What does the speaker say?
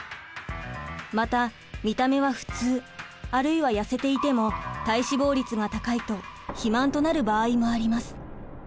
また見た目は普通あるいは痩せていても体脂肪率が高いと肥満となる場合もあります。